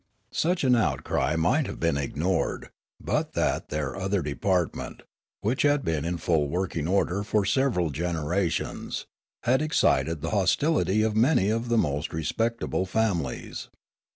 Such an outcry might have been ignored, but that their other department, which had been in full working order for several generations, had excited the hostility of many of the most respectable families.